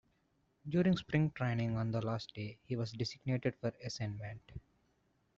During spring training on the last day, he was designated for assignment.